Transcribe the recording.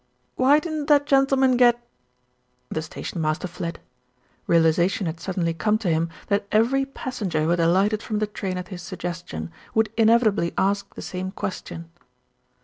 "Why didn't that gentleman get " The station master fled. Realisation had suddenly come to him that every passenger who had alighted THE GIRL AT THE WINDOW 13 from the train at his suggestion would inevitably ask the same question.